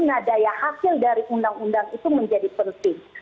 nah daya hasil dari undang undang itu menjadi penting